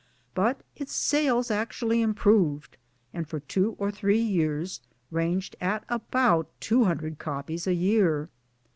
but its sales Actually improved, and for two or three years ranged at about two hundred copies a year.